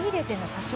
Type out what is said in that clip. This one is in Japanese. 社長）